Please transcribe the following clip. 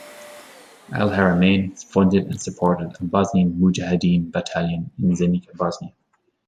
Al-Haramain funded and supported a "Bosnian mujahideen" battalion in Zenica Bosnia.